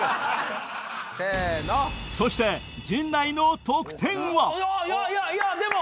そして陣内の得点は？いやでも。